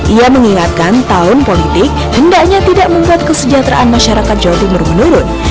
ia mengingatkan tahun politik hendaknya tidak membuat kesejahteraan masyarakat jawa timur menurun